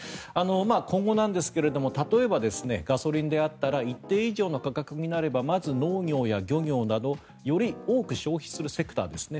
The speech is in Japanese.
今後なんですが、例えばガソリンであったら一定以上の価格になればまず農業や漁業などより多く消費するセクターですね。